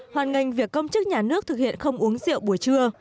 hoan nghênh việc công chức nhà nước thực hiện không uống rượu buổi trưa